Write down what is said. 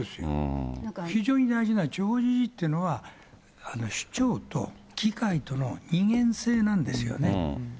非常に大事な、地方自治っていうのは、しちょうと議会との人間性なんですよね。